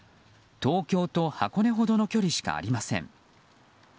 東京と箱根ほどの距離しかありません。